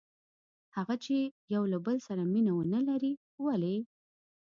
هغه چې یو له بل سره مینه ونه لري؟ ولې؟